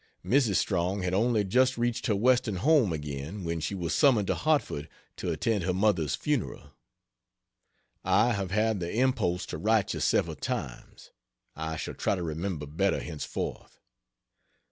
Mrs. Strong had only just reached her Western home again when she was summoned to Hartford to attend her mother's funeral. I have had the impulse to write you several times. I shall try to remember better henceforth.